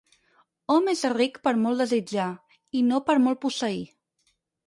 Hom és ric per molt desitjar, i no per molt posseir.